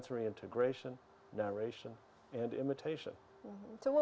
saya terluka saya terbuka dari alam